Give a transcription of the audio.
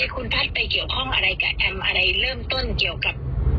คุณพัฒน์ไปเกี่ยวข้องอะไรกับแอมอะไรเริ่มต้นเกี่ยวกับ